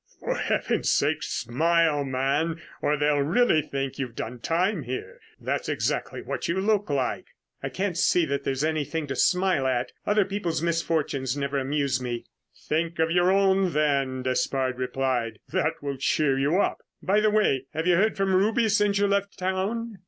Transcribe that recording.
"For heaven's sake smile, man, or they'll really think you've done time here. That's exactly what you look like." "I can't see that there's anything to smile at. Other people's misfortunes never amuse me." "Think of your own, then," Despard replied, "that will cheer you up. By the way, have you heard from Ruby since you left town?"